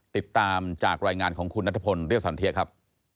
ติดตามจากรายงานของคุณนัทพลเรียบสันเทียครับ